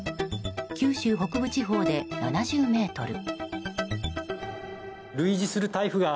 九州北部地方で７０メートル。